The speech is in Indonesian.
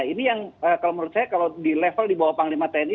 ini yang kalau menurut saya kalau di level di bawah panglima tni